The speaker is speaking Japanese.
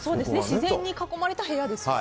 自然に囲まれた部屋ですよね。